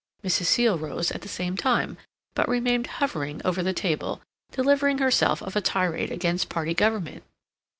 Mrs. Seal rose at the same time, but remained hovering over the table, delivering herself of a tirade against party government.